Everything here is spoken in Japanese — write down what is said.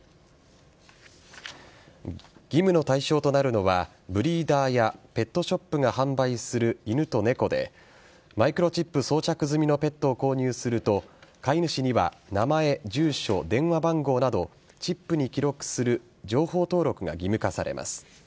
義務の対象となるのはブリーダーやペットショップが販売する犬と猫でマイクロチップ装着済みのペットを購入すると飼い主には名前、住所、電話番号などチップに記録する情報登録が義務化されます。